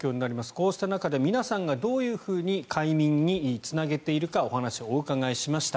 こうした中で皆さんがどういうふうに快眠につなげているかお話をお伺いしました。